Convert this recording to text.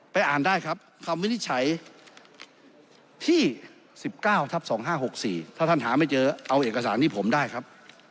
อ่านได้ครับคำวินิจฉัยที่๑๙ทับ๒๕๖๔ถ้าท่านหาไม่เจอเอาเอกสารที่ผมได้ครับ